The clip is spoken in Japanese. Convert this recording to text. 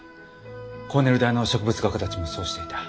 コーネル大の植物画家たちもそうしていた。